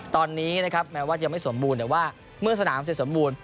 ตอนนี้นะครับแม้ว่าจะไม่สมบูรณ์แต่ว่าเมื่อสนามเสร็จสมบูรณ